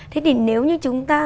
thế thì nếu như chúng ta